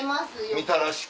みたらしか。